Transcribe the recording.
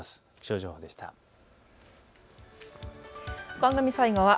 番組最後は＃